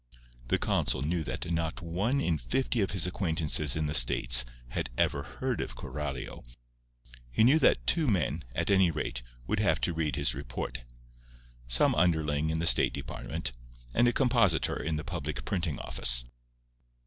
The consul knew that not one in fifty of his acquaintances in the States had ever heard of Coralio. He knew that two men, at any rate, would have to read his report—some underling in the State Department and a compositor in the Public Printing Office.